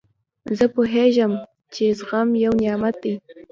زه پوهېږم، چي زغم یو نعمت دئ.